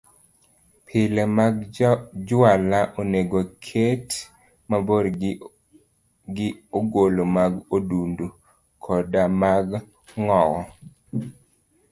Pile mag juala onego oket mabor gi ogolo mag odundu koda mag ng'owo.